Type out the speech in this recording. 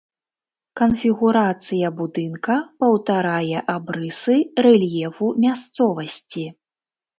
Канфігурацыя будынка паўтарае абрысы рэльефу мясцовасці.